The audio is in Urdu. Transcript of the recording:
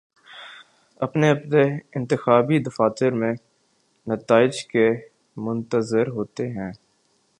اپنے اپنے انتخابی دفاتر میں نتائج کے منتظر ہوتے ہیں